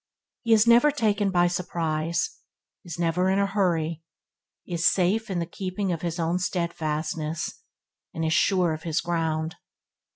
He is never taken by surprise; is never in a hurry, is safe in the keeping of his own steadfastness, and is sure of his ground.